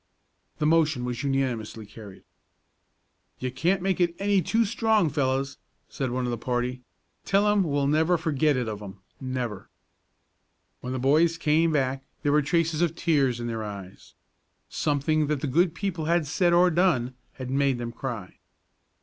The motion was unanimously carried. "You can't make it any too strong, fellows," said one of the party; "tell 'em we'll never forget it of 'em, never." When the two boys came back there were traces of tears in their eyes. Something that the good people had said or done had made them cry.